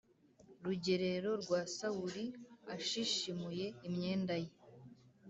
rugerero rwa Sawuli ashishimuye imyenda ye